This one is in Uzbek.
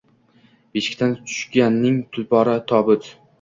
Beshikdan tushganning tulpori – tobut